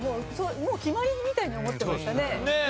もう決まりみたいに思ってましたね。